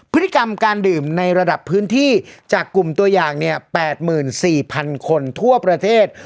พฤติกรรมการดื่มในระดับพื้นที่จากกลุ่มตัวอย่าง๘๔๐๐๐คนทั่วประเทศ